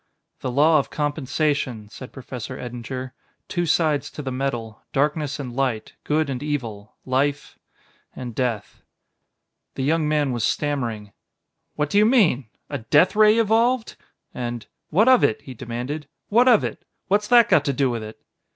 "The law of compensation," said Professor Eddinger. "Two sides to the medal! Darkness and light good and evil life ... and death!" The young man was stammering. "What do you mean? a death ray evolved?" And: "What of it?" he demanded; "what of it? What's that got to do with it?"